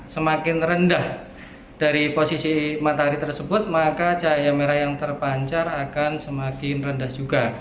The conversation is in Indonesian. semakin rendah dari posisi matahari tersebut maka cahaya merah yang terpancar akan semakin rendah juga